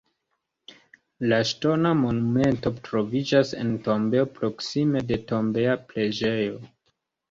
La ŝtona monumento troviĝas en tombejo proksime de tombeja preĝejo.